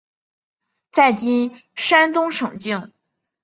在今山东省境。